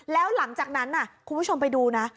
แล้วหลังจากนั้นคุณผู้ชมไปดูนะ